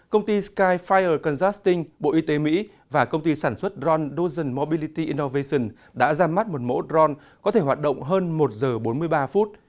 công ty skyfire consisting bộ y tế mỹ và công ty sản xuất drone dozen mobility innovation đã ra mắt một mẫu drone có thể hoạt động hơn một giờ bốn mươi ba phút